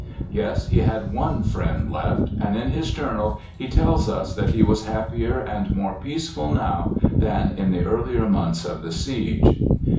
Yes, he had one Friend left, and in his journal he tells us that he was happier and more peaceful now than in the earlier months of the siege.